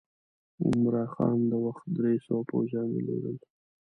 عمرا خان دا وخت درې سوه پوځیان درلودل.